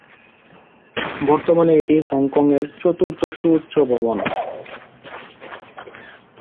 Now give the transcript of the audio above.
বর্তমানে এটি হংকংয়ের চতুর্থ সুউচ্চ ভবন।